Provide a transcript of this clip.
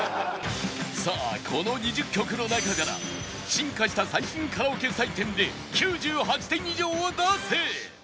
さあこの２０曲の中から進化した最新カラオケ採点で９８点以上を出せ！